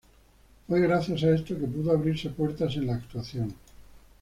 Fue gracias a esto que pudo abrirse puertas en la actuación.